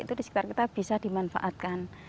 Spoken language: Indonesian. itu di sekitar kita bisa dimanfaatkan